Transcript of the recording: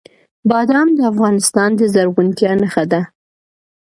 بادام د افغانستان د زرغونتیا نښه ده.